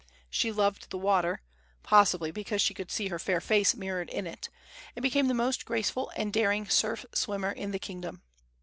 She loved the water possibly because she could see her fair face mirrored in it and became the most graceful and daring surf swimmer in the kingdom.